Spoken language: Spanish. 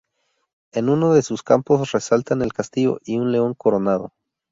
En uno de sus campos resaltan el castillo y un león coronado.